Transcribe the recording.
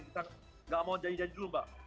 kita nggak mau janji janji dulu mbak